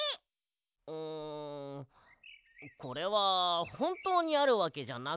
うんこれはほんとうにあるわけじゃなくて。